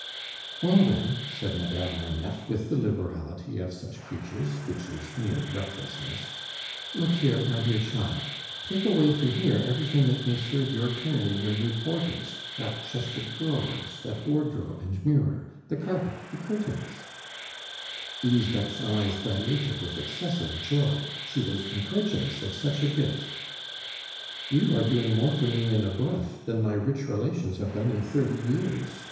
"Well, then," said Madame Marneffe, with the liberality of such creatures, which is mere recklessness, "look here, my dear child; take away from here everything that may serve your turn in your new quarters that chest of drawers, that wardrobe and mirror, the carpet, the curtains " Lisbeth's eyes dilated with excessive joy; she was incredulous of such a gift. "You are doing more for me in a breath than my rich relations have done in thirty years!"